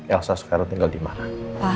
elsa sekarang tinggal dimana